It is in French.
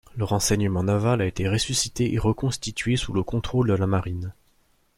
Le renseignement naval a été ressuscité et reconstituée sous le contrôle de la marine.